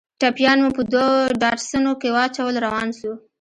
ټپيان مو په دوو ډاټسنو کښې واچول روان سو.